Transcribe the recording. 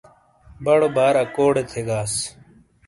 بڑو بار اکوڑے تھیگاس۔